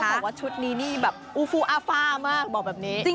ต้องบอกว่าชุดนี้อูฟูอฟ่ามากบอกแบบนี้